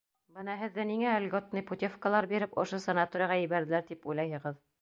Бына һеҙҙе ниңә льготный путевкалар биреп ошо санаторийға ебәрҙеләр, тип уйлайһығыҙ?